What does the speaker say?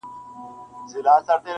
ول کمک را سره وکړه زما وروره.